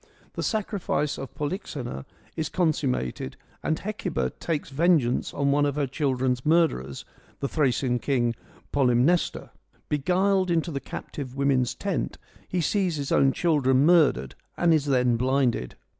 The sacrifice of Polyxena is consummated and Hecuba takes vengeance on one of her children's murderers, the Thracian king Polymnestor. Beguiled into the captive women's tent he sees his own children murdered and is then blinded.